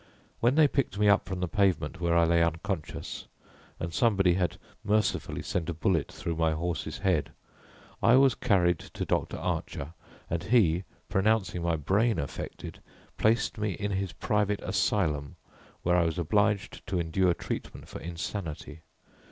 When they picked me up from the pavement where I lay unconscious, and somebody had mercifully sent a bullet through my horse's head, I was carried to Dr. Archer, and he, pronouncing my brain affected, placed me in his private asylum where I was obliged to endure treatment for insanity.